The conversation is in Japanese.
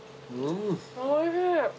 おいしい。